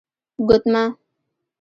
💍 ګوتمه